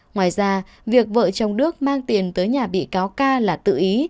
ngoài ra việc vợ chồng đức mang tiền tới nhà bị cáo ca là tự ý